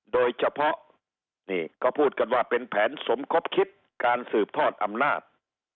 โดยเฉพาะนี่ก็พูดกันว่าเป็นแผนสมคบคิดการสืบทอดอำนาจ